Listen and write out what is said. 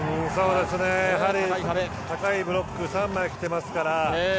やはり高いブロック３枚きていますから。